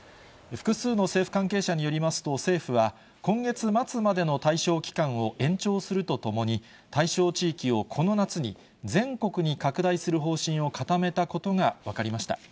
複数の政府関係者によりますと、政府は、今月末までの対象期間を延長するとともに、対象地域をこの夏に、全国に拡大する方針を固めたことが分かりました。